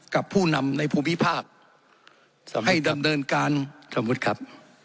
กับผู้นำในภูมิภาคให้ดำเนินการสมมุติครับ